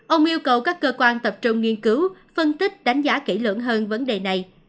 ông yêu cầu các cơ quan tập trung nghiên cứu phân tích đánh giá kỹ lưỡng hơn vấn đề này